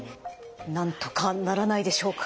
なんとかならないでしょうか。